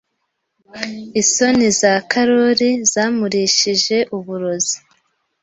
Isoni za Karoli zamurishije uburozi.